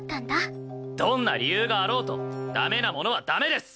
どんな理由があろうとダメなものはダメです！